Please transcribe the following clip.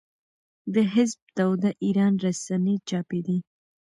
د حزب توده ایران رسنۍ چاپېدې.